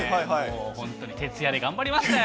本当に、徹夜で頑張りましたよ。